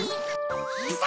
いざ